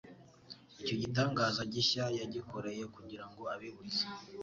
Icyo gitangaza gishya yagikoreye kugira ngo abibutse